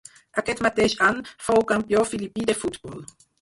Aquest mateix any fou campió filipí de futbol.